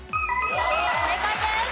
正解です。